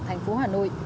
thành phố hà nội